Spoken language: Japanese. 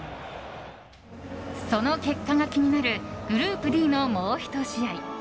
その結果が気になるグループＤのもう１試合。